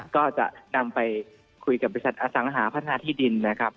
ก็จะนำไปคุยกับบริษัทอสังหาพัฒนาที่ดินนะครับ